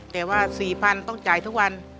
แต่ว่า๔๐๐๐ต้องจ่ายทุกวัน